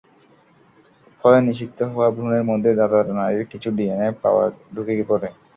ফলে নিষিক্ত হওয়া ভ্রূণের মধ্যে দাতা নারীর কিছু ডিএনএ ঢুকে পড়ে।